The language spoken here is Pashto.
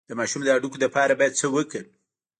د ماشوم د هډوکو لپاره باید څه وکړم؟